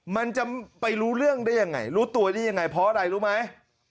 มันจะไปรู้เรื่องได้ยังไงรู้ตัวได้ยังไงเพราะอะไรรู้ไหม